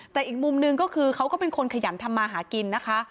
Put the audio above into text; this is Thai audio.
แต่อีกมุมหนึ่งก็คือเขาก็เป็นคนขยันทำมาหากินนะคะ